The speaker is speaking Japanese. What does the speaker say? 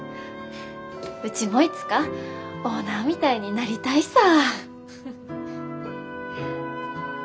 うちもいつかオーナーみたいになりたいさ。